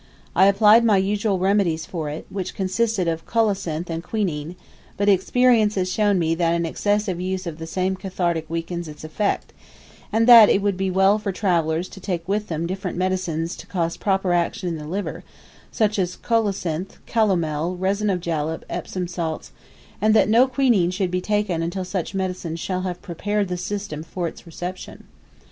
I applied my usual remedies for it, which consisted of colocynth and quinine; but experience has shown me that an excessive use of the same cathartic weakens its effect, and that it would be well for travellers to take with them different medicines to cause proper action in the liver, such as colocynth, calomel, resin of jalap, Epsom salts; and that no quinine should be taken until such medicines shall have prepared the system for its reception.